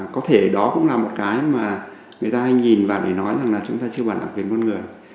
có thể đó cũng là một cái mà người ta hay nhìn và để nói rằng là chúng ta chưa bảo đảm quyền con người